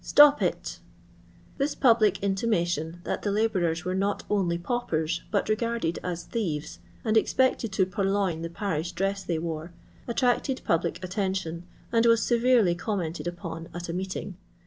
Stop it !This public intimatioft that the hibourers were not only paupers, but regarded as thieves, and expected to parloin the parish dress they wore, attracted public attantion, and waf severely commented upon at a meeting.